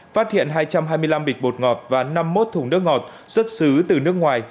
phát hiện hai trăm hai mươi năm bịch bột ngọt và năm mươi một thùng nước ngọt xuất xứ từ nước ngoài